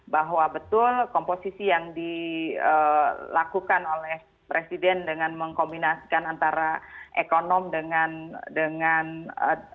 bahwa betul komposisi yang dilakukan oleh presiden dengan mengkombinasikan antara ekonomi dengan tenaga kesehatan